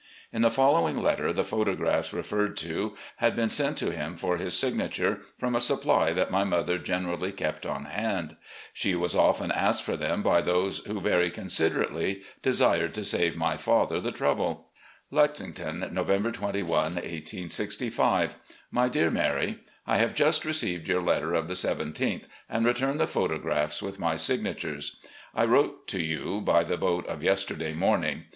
In the following letter the photographs referred to had been sent to him for his signature, from a supply that my mother generally kept on hand. She was often asked for them by those who very considerately desired to save my father the trouble: "Lexington, November 21, 1865. " My Dear Mary: I have just received your letter of the 17th, and return the photo^phs with my signatures. 198 THE IDOL OP THE SOUTH 199 I wrote to you by the boat of yesterday morning.